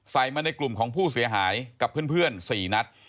ใส่มาในกลุ่มของผู้เสียหายกับเพื่อน๔นัด